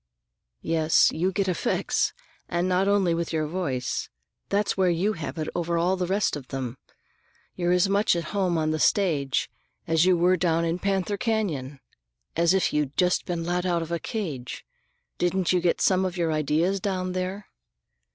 "Yes, you get effects, and not only with your voice. That's where you have it over all the rest of them; you're as much at home on the stage as you were down in Panther Canyon—as if you'd just been let out of a cage. Didn't you get some of your ideas down there?"